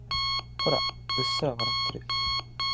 ほら、うっすら笑ってる。